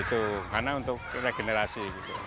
itu karena untuk regenerasi gitu